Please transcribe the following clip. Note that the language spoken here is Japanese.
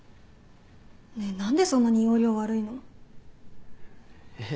ねえ何でそんなに要領悪いの？えっ？